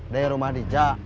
dari rumah dija